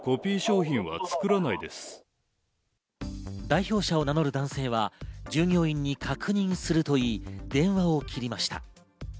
代表者を名乗る男性は、従業員に確認するといい、電話を切りました。